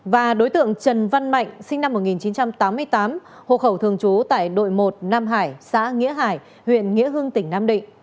và đối tượng trần văn mạnh sinh năm một nghìn chín trăm tám mươi tám hộ khẩu thường trú tại đội một nam hải xã nghĩa hải huyện nghĩa hưng tỉnh nam định